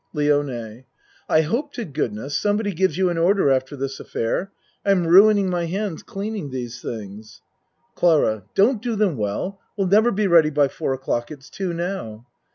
LIONE I hope to goodness somebody gives you an order after this affair. I'm ruining my hands cleaning these things. CLARA Don't do them well. We'll never be ready by four o'clock. It's two now.